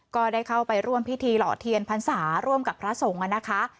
ก็ได้เข้าไปร่วมพิธีหล่อเทียนพรรษาร่วมกับพระสงฆ์นะคะ